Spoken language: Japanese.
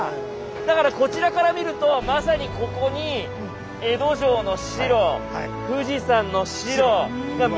だからこちらから見るとまさにここに江戸城の白富士山の白が見えるわけですね。